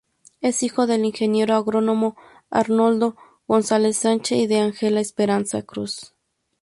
Es hijo del ingeniero agrónomo Arnoldo González Sánchez y de Ángela Esperanza Cruz.